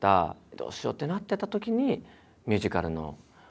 どうしようってなってたときにミュージカルのお話頂いて。